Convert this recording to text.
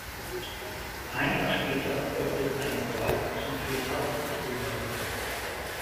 Ein Jahr später erfolgte seine Wahl zum Fürstabt von Fulda.